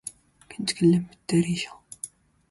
She is represented in Los Angeles by Rosamund Felsen Gallery.